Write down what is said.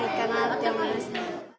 って思いました。